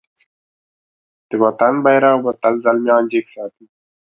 د وطن بېرغ به تل زلميان جګ ساتی.